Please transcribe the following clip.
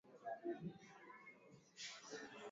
Dhambi zangu zote wala si nusu